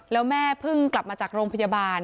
แล้วแม่เพิ่งกลับมาจากโรงพยาบาล